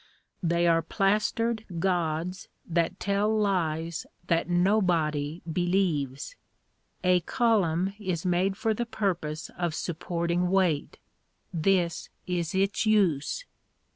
They are plastered gawds that tell lies that nobody believes. A column is made for the purpose of supporting weight; this is its use.